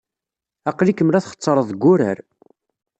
Aql-ikem la txeṣṣreḍ deg wurar.